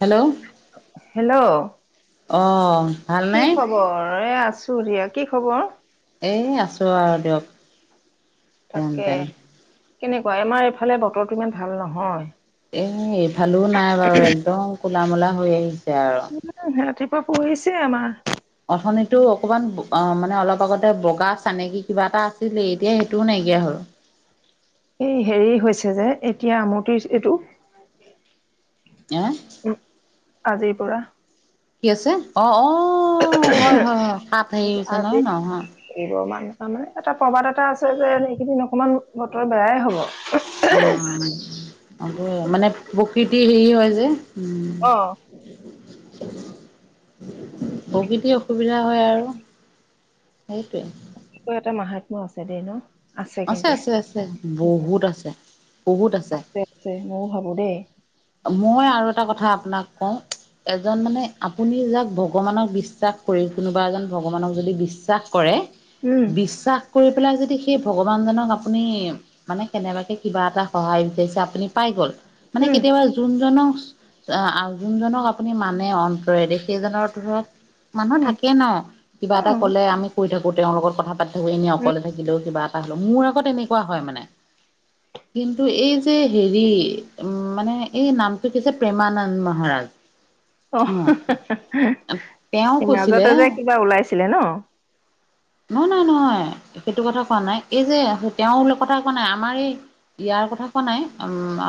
Hello hello. অঁ। কি ভালনে খবৰ? এ আছে আছো দিয়া। কি খবৰ? এই আছোঁ আৰু দিয়ক। যেন তাকে। তেন কেনেকুৱা আমাৰ এইফালে বতৰটো ইমান ভাল নহয়। এ এইফালো নাই বাৰু একদম কুলামলা হৈ আহিছে। আৰু [unintelligible] ক পঢহিছে আমাৰ অথনিটো অকমান মানে অলপ আগতে বগা চানেকী কিবা এটা আছিল এতিয়া সেইটোও নাইকিয়া হ'ল। এই হেৰি হৈছে যে এতিয়া আমূৰটিৰ এইটো এহ? উ আজিৰ পৰা কি আছে? অ অ! অ হয় হয় হয় কাত হেৰি হৈছে আজি নহয় নহয় হয়! কৰিব মানে তাৰমানে এটা প্ৰবাদ এটা আছে যে এইকেইদিন অকমান বতৰ বেয়াই হ'ব। উম্ হ [inaudible] মানে প্ৰতি হেৰি হয় যে উম। অ প্ৰকৃতি অসুবিধা হয় আৰু সেইটোৱে এটা মাহাত্ম আছে দেই ন। আছে আছে আছে বহুত আছে। আছে আছে মইও ভাবো দেই। মই আৰু এটা কথা আপোনাক কওঁ, এজন মানে আপুনি যাক ভগৱানক বিশ্বাস কৰি কোনোবা এজন ভগৱানক যদি বিশ্বাস কৰে উম বিশ্বাস কৰি পেলাই যদি সেই ভগৱান জনক আপুনি মানে কেনেবাকে কিবা এটা সহায় বিচাৰিছে আপুনি পাই গ'ল মানে উম কেতিয়াবা যোনজনক আ আ যোনজনক আপুনি মানে অন্তৰেৰে সেইজনৰ ধৰক মানুহ উম থাকে ন কিবা অ এটা কলে আমি কৰি থাকো। তেওঁৰ লগত কথা পাতি থাকোঁ এনেই উম অকলে থাকিলেও কিবা মোৰ আকৌ তেনেকুৱা হয় মানে, কিন্তু এই যে হেৰি, উম মানে এই নামটো কি যে, প্ৰেমানন্দ মহাৰাজ। অ' তেওঁ কৈছিলে মাজতে যে কিবা ওলাইছিলে ন? নহয় নহয় নহয়। সেইটো কথা কোৱা নাই, এই যে তেওঁলোকৰ কথা কোৱা নাই। আমাৰ এই ইয়াৰ কথা কোৱা নাই।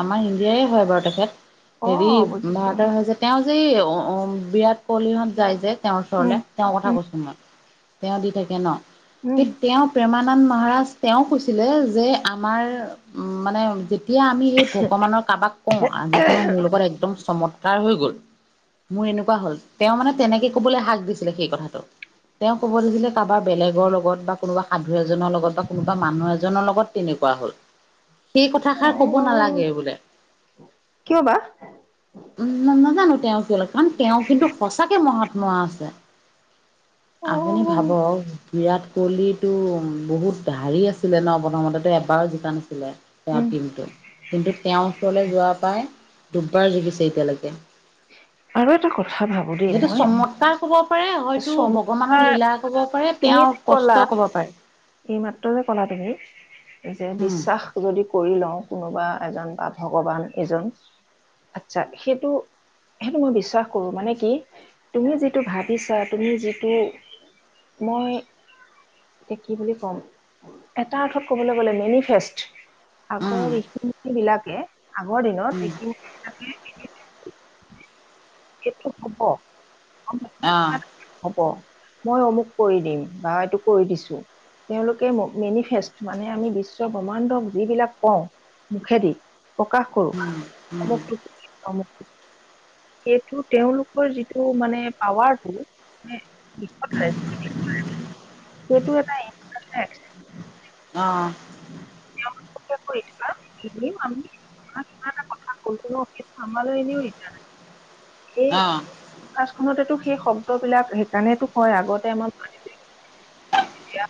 আমাৰ ইণ্ডিয়াই হয় বাৰু তেখেত। অ হেৰি বুজিছো ভাৰতৰ হৈছে, তেওঁ- যে অ' বিৰাট কোহলিহঁত যায় যে তেওঁৰ উম ওচৰলে, তেওঁৰ কথা উম কৈছো মই। তেওঁ দি থাকি ন? হে উম তেওঁ প্ৰেমা মহাৰাজ তেওঁ কৈছিলে যে, আমাৰ উ মানে এতিয়া আমি সেই ভগৱানৰ কাৰোবাক কওঁ, আজি নহয় মোৰ লগত একদম চমৎ কাৰ হৈ গ'ল। মোৰ এনেকুৱা হ'ল। তেওঁ মানে তেনেকে ক'বলৈ হাক দিছিলে সেইকথাটো। তেওঁ ক'ব দিছিলে কাৰোবাৰ বেলেগৰ লগত বা কোনোবা সাধু এজনৰ লগত। লগত বা কোনোবা মানুহ এজনৰ লগত তেনেকুৱা হ'ল। সেই কথাষাৰ অ ক'ব নালাগে বোলে। কিয় বা উম নাজানো। তেওঁ কিয়? কাৰণ তেওঁ কিন্তু, সঁচাকে মহৎ নোৱা আছে। অ আপুনি ভাব বিৰাট কোহলিটো বহুত হাৰি আছিলে ন? প্ৰথমতেতো এবাৰো জিকা নাছিলে। তেওঁৰ উম টিমটো, কিন্তু তেওঁৰ ওচৰলৈ যোৱা পাই দুবাৰ জিকিছে এতিয়ালৈকে। আৰু এটা কথা ভাবো দেই এইটো মই চমৎকাৰ ক'ব পাৰে। হয়তো ভগৱানৰ লীলাক হ'ব। তুমিত যে ক'লা, এইমাত্ৰ যে ক'লা তুমি যে উম বিশ্বাস যদি কৰি লওঁ কোনোবা এজন বা ভগৱান এজন। আচ্ছা, সেইটো, সেইটো মই বিশ্বাস কৰো মানে কি তুমি যিটো ভাবিছা, তুমি যিটো মই এতিয়া কি বুলি ক'ম, এটা অৰ্থত ক'বলৈ গ'লে মেনিফেষ্ট, আগৰ উম ঋষিমুনিবিলাকে আগৰ দিনত উম ঋষিমুনিবিলাকে [unintelligible] এইটো হ'ব গম পাইছানে অ কিবা এটা হ'ব মই অমুক কৰি দিম বা এইটো কৰি দিছোঁ তেওঁলোকে মেনিফেষ্ট মানে আমি বিশ্ব ব্ৰহ্মাণ্ড যিবিলাক কওঁ মুখেদি প্ৰকাশ কৰোঁ উম সেইটো তেওঁলোকৰ যিটো মানে পাৱাৰটো নে [inaudible] সেইটো এটা অ [inaudible] আমি কিবা এটা কথা কলো ন সেইটো আমালৈ এনেও ৰিটাৰ্ণ আহিব অ কাজখনতে টো সেই শব্দবিলাক সেইকাৰণে টো কয় আগতে আমাৰ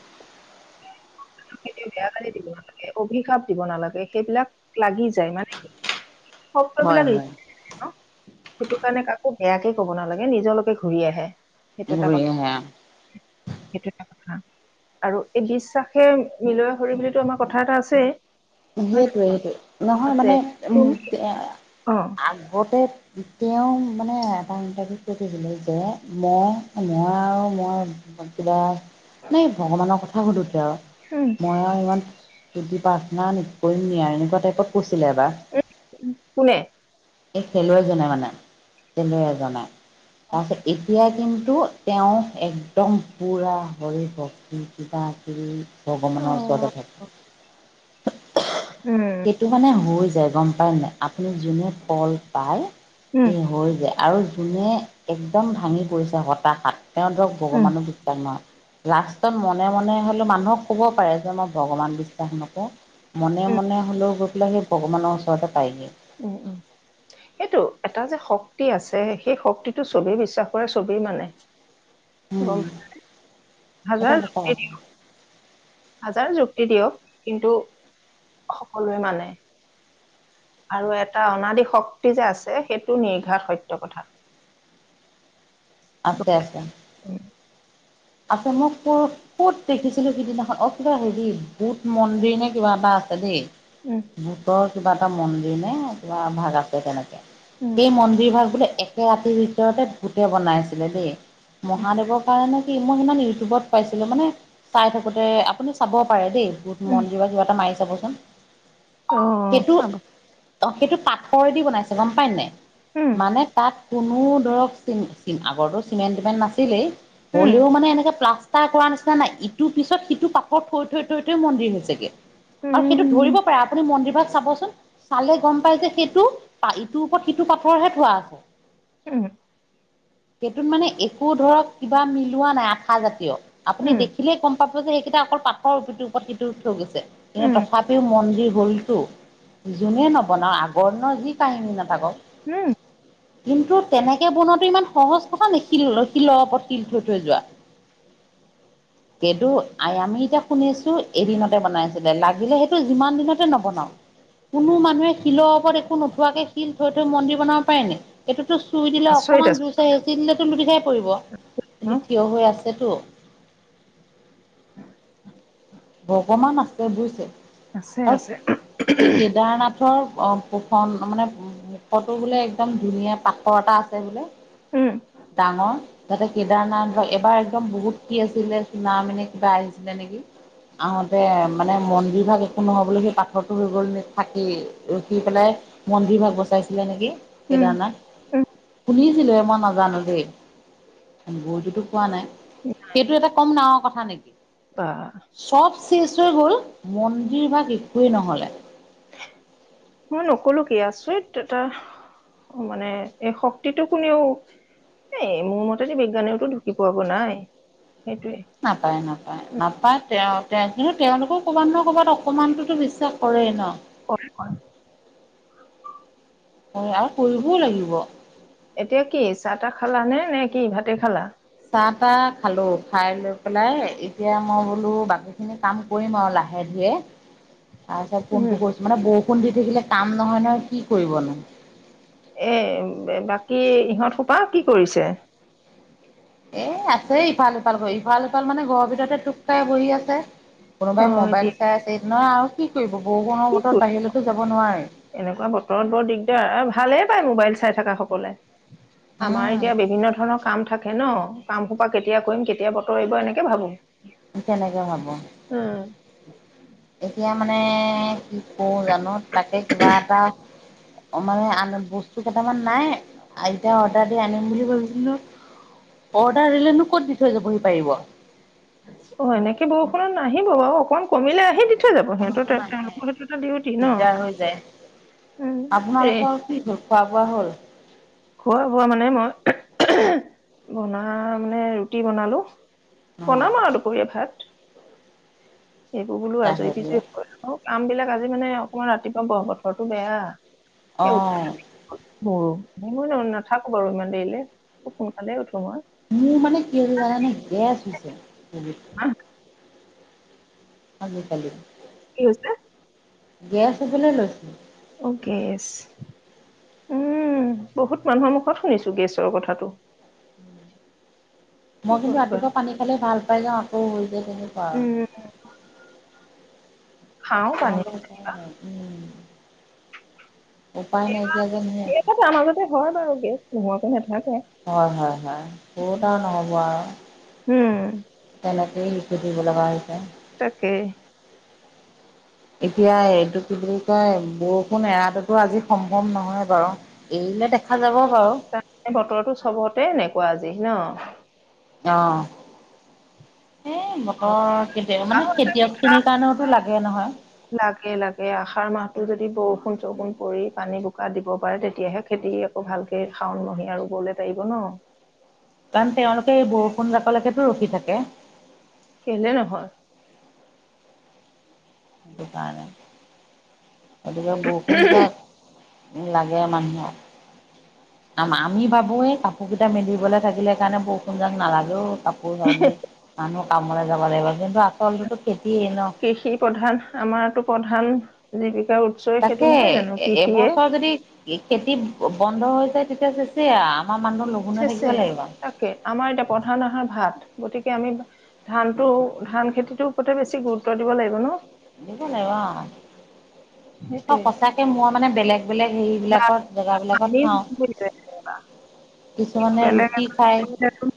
দিব নালাগে অভিশাপ দিব নালাগে সেইবিলাক লাগি যায় মানে কি [inaudible] হয় শব্দবিলাক হয় ৰিটাৰ্ণ আহে ন সেইটো কাৰণে কাকো বেয়াকে ক'ব নালাগে নিজলৈকে ঘূৰি আহে সেইটো এটা ঘূৰি কথা আহে অ সেইটো এটা কথা আৰু এই বিশ্বাস সেই মিলোৱা সৰি বুলিতো আমাৰ কথা এটা আছেই সেইটোৱে সেইটোৱে নহয় মানে উম তুমি এ অ আগতে তেওঁ মানে এটা ইণ্টাৰভিউত কৈ থৈছিলে যে মই মই আৰু মই কিবা নাই ভগৱানৰ কথা সুধোতে আৱ উম মই আৱ ইমান তুতি পাৰ্থনা নি নকইমে আৱ এনেকুৱা টাইপত কৈ ছিলে এবা কোনে এই খেলুৱৈজনে মানে খেলুৱৈ এজনে তাপিছত এতিয়া কিন্তু তেওঁ একদম পুৰা হৰি ভক্তি কিবা কিবি ভগৱানৰ ওচৰতে উম থাকে উম সেইটো মানে হৈ যায় গম পায় নাই আ আপুনি যোনে ফল পায় সি উম হৈ যায় আৰু যোনে একদম ভাঙি পৰিছে হতাশাত তেওঁ ধৰক উম ভগৱানো বিশ্বাস নহয় লাষ্টত মনে মনে হ'লেও মানুহক ক'ব পাৰে যে মই ভগৱান বিশ্বাস নকৰোঁ মনে মনে হ'লেও গৈ লে ভগৱানৰ ওচৰতে পাইগে উম উম সেইটো এটা যে শক্তি আছে সেই শক্তিটো চবেই বিশ্বাস কৰে চবেই মানে গ উম সেইটো হাজাৰ সঁচা যুক্তি কথা দিয়ক হাজাৰ যুক্তি দিয়ক কিন্তু সকলোৱে মানে। আৰু এটা অনাদি শক্তি যে আছে সেইটো নিৰ্ঘাত সত্য কথা। আছে, আছে। উম, আছে, মই ক- ক'ত দেখিছিলো সিদিনাখন? অ- কিবা হেৰি বুধ মন্দিৰ নে কিবা এটা আছে দেই। উম, মো-পা কিবা এটা মন্দিৰ নে কিবা এভাগ আছে, তেনেকে। উম, সেই মন্দিৰ ভাগ বোলে একে ৰাতিৰ ভিতৰতে ভুতে বনাইছিলে দেই। উম, মহাদেৱৰ কাৰণে কি? মই সিমান ইউটিউবত পাইছিলো, মানে চাই থাকোতে, আপুনি চাব পাৰে দেই। যত মন দিবা, কিবা এটা মাৰি চাবচোন। অঁ--চাব। অঁ, সেইটো পাতঠৰেদি বনাইছে গম পাই নাই? উম, মানে, তাক কোনো ধৰক, ওঁ এই আগৰটো চিমেণ্ট-টিমেণ্ট নাছিলেই। উম, হলেও মানে, এনেকোৱা প্লাগ- তাৰ কৰা নিচা নাই। ইটোৰ পিছত সিটো পাঠৰ থৈ থৈ থৈ থৈ মন্দিৰ হৈছেগে। উম, আৰু সেইটো ধৰিব পাৰে। আপুনি মন্দিৰভাগ- চাবচোন? চালে গম পাই যে সেইটো পালটোৰ ওপৰত সিটো পাথৰহে থোৱা আছে। ওঁ সেইটোত মানে, একো ধৰক কিবা মিলোৱা নাই। আঠা জাতীয় আপুনি উম, দেখিলেই কম। পাব যে সেইকেইটা অকল পাঠৰ। সিটো ওপত সিটো থৈ গৈছে। এ, উম, তথাপিও মন্দিৰ। ভুলটো? যোনে নবনাওক আগৰ দিনৰ যি কাহিনী নাথাকক হোঁ কিন্তু, তেনেকে বনোৱাটো ইমান সহজ কথা নেকী? লছি ল'ৱবত্‌ শিল থৈ থৈ যোৱা, এইটো আই আমি এতিয়া শুনিছো এদিনতে বনাই আছিলে, লাগিলে সেইটো যিমান দিনতে নবনাওক, কোনো মানুহে শিলৰ ওপৰত একো নোথোৱাকে শিল থৈ থৈ মন্দিৰ বনাব পাৰে নেকী? সেইটো তোচ চুইদিলে, আচৰিত অকণমান আচৰিত জোৰচে হেচি দিলেটো লুতি খাই পৰিব। ন গুটি অ--সৰা সেটো অকমান আছে, বুইছে। আছে আছে অত্‌--কে-কেদাৰনাথৰ অ পোষণ, মানে, মুখটো বোলে একদম ধুনীয়া পাথৰ এটা আছে বোলে? উম, ডাঙৰ তাতে কেদাৰনাথ বা এবাৰ একদম বহুত কি আছিলে নাম এনে কিবা আহিছিলে নেকি! আহোঁতে মানে মন্দিৰভাগ, একো নহ'বলৈ সেই পাথৰটো হৈ গ'ল নে থাকেই ৰখি পেলাই মন্দিৰভাগ বচাইছিলে নেকি। উম, কেদাৰনাথ, উম, শুনিছিলো হে, মই নাজানো দেই, বৈতোতো কোৱা নাই সেইটো এটা কম ডাঙৰ কথা নেকি। বা ছব চেছ হৈ গ'ল, মন্দিৰভাগ একোৱেই নহলে। মই নকললো কি আচৰিত এটা মানে, এই শক্তিটো কোনেও এই মোৰ মতে বিজ্ঞানেওতো ঢুকি পোৱাব নাই। সেইটোৱে নাপাই নাপাই নাপাই তেওঁ তেওঁ কিন্তু তেওঁলোকও ক'ৰবাত ন ক'ৰবাত অকমানটোতো বিশ্বাস কৰেই ন? কত কৰে? হয় আই কৰিবই লাগিব। এতিয়া কি চাহ তাহ খালা নে নে কি ভাতে খালা? চাহ তাহ খালো খাই লৈ পেলাই এতিয়া মই বোলো বাকী খিনি কাম কৰিম আৰু লাহে ধীৰে। আই ঠাইত উম কোনটো কৰিছোঁ মানে বহুত, কোন দি থাকিলে কাম নহয় নহয় কি কৰিবনো। এ বাকী ইহঁত হুপা কি কৰিছে? এ আছে ইফাল সিফাল কৰি ইফাল সিফাল মানে ঘৰৰ ভিতৰতে তোক, চাই শুই আছে, অ কোনোবাই মোবাইল এতিয়া চাই আছে,। নহ আৰু কি কৰিব? বৰষুণৰ কি বতৰত কৰি, বাহিৰলৈতো যাব নোৱাৰে। এনেকুৱা বতৰত বৰ দিগদাৰ আৰু ভালেই পায় মোবাইল চাই। চাই থকা সকলে। আমাৰ উম এতিয়া বিভিন্ন ধৰণৰ কাম থাকে, থাকে নহ, কাম সোপা কেতিয়া কৰিম কেতিয়া বতৰ এৰিব এনেকে ভাবো। এতিয়া নকৌ আক উম এতিয়া মানে কি- কও জানো তাকে কিবা এটা,। অ মানে আন বস্তু কেইটামান নাই, এতিয়া অৰ্ডাৰ দি আনিম বুলি ভাবিছিলো, অৰ্ডাৰ দিলেনো ক'ত দি থৈ যাবহি পাৰিব। অ এনেকে বৰষুণত নাহিব বাৰু অকমান কমিলে আহি দিব। দি থৈ যাব, সিহঁতৰ বৰষুণতো নাহে তেওঁলোকৰ হেতু এটা ডিউটি ন দিগদাৰ হৈ যায়। উম এ আপোনালোকৰ কি হ'ল খোৱা বোৱা হ'ল? খোৱা বোৱা মানে মই বনাম নে মানে ৰুটি বনালো। অ' বনাম আও দুপৰীয়া ভাত। এইবোৰ বোলো চাহ আজৰি খাই দিজে পেলাই হৈ অ কাম বিলাক আজি মানে অকমান ৰাতিপুৱা ব বতৰটো বেয়া। এ উঠা, অ' মোৰো, মই উ নাথাকো বাৰু ইমান দেৰিলে খুব সোনকালে উঠোঁ। মোৰ মানে কি জানে নে গেছ হৈছে। আহ, আজি কালি। কি হৈছে? গেছ হ'বলৈ লৈছে। অ' গেছ! উম বহুত মানুহৰ মুখত শুনিছো গেছৰ কথাটো। কি মই কিন্তু কৰিবা ৰাতিপুৱা পানী খালে ভাল পাই যাওঁ আকৌ হয়গে। তিনি পাৰ উম খাও পানী অ' উম! উপায় নাইকিয়া যেন হৈ আছে [unintelligible] [unintelligible] হয়! হয়! হয়! বহুত আৰু নহ'ব আৰু, উম তেনে সেই লিখিদিব লগা হৈছে। তাকেই এতিয়া এইটো কি বুলি কয়, বৰষুণ এৰাটোতো আজি সম্ভৱ নহয় বাৰু। এৰিলে দেখা যাব। বাৰু ত' বতৰটো চবতে এনেকুৱা আজি। ন। অ'হ। এ অ বতৰ, কেতিয়া মানে, খেতিয়ক খিনিৰ কাৰণেওতো লাগে নহয়। ‌ লাগে লাগে আহাৰ মাহটো যদি বৰষুণ চৰষুণ পৰি, পানী বোকা দিব পাৰে, তেতিয়াহে খেতি আকৌ ভালকে, শাওন মহিয়া ৰুবলৈ পাৰিব ন। কাৰণ তেওঁলোকে, এই বৰষুণ জাকলেকেতোঁ ৰখি থাকে। কেলে নহ'ল? এটো কাৰানে আৰু বৰষুণ যাক লাগে মানুহক। ‌ আমা, আমি ভাবোঁ এই কাপোৰ কেইটা মেলিবলৈ থাকিলে কাৰণে, বৰষুণ যাক নালাগে অ'! [unintelligible] কাপোৰ [unintelligible] মানুহ কামলৈ যাব লাগিব কিন্তু আচলটোতো খেতিয়ে ন। কৃষি প্ৰধান আমাৰতো প্ৰধান জীৱিকা। তাকে এবছৰ যদি, খেতিত। বন্ধ হৈ যায়, তেতিয়া চেচে আৰু। আমাৰ মানুহ লঘোণ হৈ থাকিব চেচে, লাগিব তাকে, আমাৰ এতিয়া প্ৰধান আহাৰ ভাত গতিকে আমি ধান টো, ধান খেতিটোৰ ওপৰতে বেছি গুৰুত্ব দিব লাগিব ন। [unintelligible] অ' সেইটোৱে সঁচাকে মই মানে, বেলেগ বেলেগ বা হেৰিবলাকত জেগাবিলাকত আমি পাওঁ। নুবুজিলে কিন্তু কিছুমানে বেলেগ ৰুটি এজন খাই, কৰিলেতো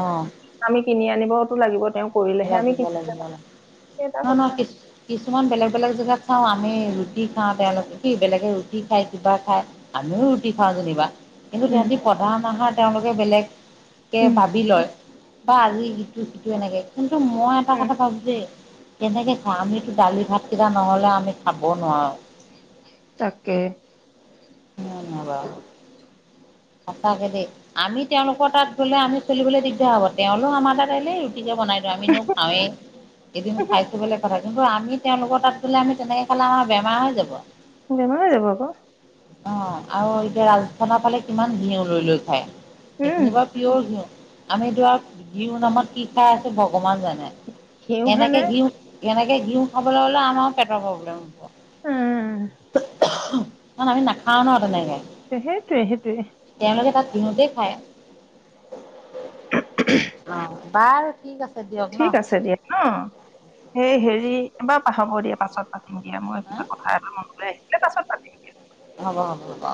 অ'হ। আমি কিনি আনিবতো লাগিব তেওঁ কৰিলেহে আমি কেতিয়াবা, সেই এটা নহয় নহয় কথা। কিছু কিছুমান বেলেগ বেলেগ জেগাত খাওঁ আমি ৰুটি খাওঁ তেওঁলোকে কি বেলেগে ৰুটি খায় কিবা খাই আমিও ৰুটি খাওঁ যেনিবা। কিন্তু উম তহঁতি প্ৰধান নশাৰ তেওঁলোকে বেলেগ। কে উম উম ভাবি লয়। বা আজি সিটো সিটো এনেকে। টো মই এটা কথা পাবাম যে। কেনেকে খাঁও আমিতো দালি ভাতকেইটা নহলে আমি খাব নোৱাৰো। তাকে। ধন্যবাদ। সঁচাকে দেই আমি তেওঁলোকৰ তাত গ'লে আমি চলিবলৈ দিগদাৰ হব তেওঁলো আমাৰ তাত আহিল। বনাই দিওঁ আমি নো খাওঁই এদিন খাই থো বলে কথা। কিন্তু আমি তেওঁলোকৰ তাত গোলে আমি তেনেকে খালে আমাৰ বেমাৰ হৈ যাব। বেমাৰ হৈ যাব আকৌ অঁ আৰু এতিয়া ৰাজস্থানৰ ফালে। কিমান ঘিউ লৈ লৈ খায়। উম, সেইখিনি বাৰ পিয়ৰ ঘিও। আমি ধোৰা বিহ নামত কি খাই আছে ভগৱান জানো। ঘিউহে নে। যেনেকে ঘিউ খাবলৈ হ'লে আমাৰো পেটৰ প্ৰব্লেম উম, হ'ব। [unintelligible] নান আমি না খা ন নাইে। সহেজ। সেইটোৱে সেইটোৱে। সিহঁতে খাই। অঁহ। বাৰ ঠিক আছে। দিয়ক ন ঠিক আছে দিয়া ন, সেই হেৰি বা। বৰ পাছত। ম দিয়া মই কিবা কথা এটা মনেই। তাৰপিছত হব হব ব।